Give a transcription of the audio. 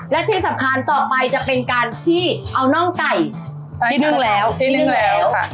และที่สำคัญต่อไปจะเป็นการที่เอาน่องไก่ที่นึ่งแล้วที่นึ่งแล้วค่ะ